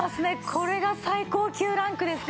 これが最高級ランクですか。